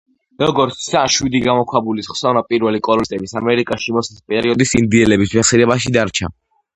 როგორც ჩანს, „შვიდი გამოქვაბულის“ ხსოვნა პირველი კოლონისტების ამერიკაში მოსვლის პერიოდის ინდიელების მეხსიერებაში დარჩა.